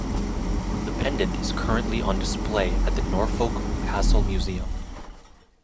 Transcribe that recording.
The pendant is currently on display at the Norfolk Castle Museum.